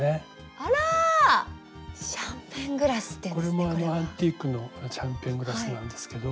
これもアンティークのシャンパングラスなんですけど。